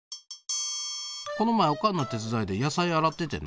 この前オカンの手伝いで野菜洗っててな